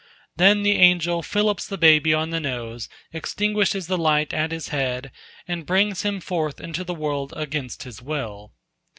Then the angel fillips the babe on the nose, extinguishes the light at his head, and brings him forth into the world against his will.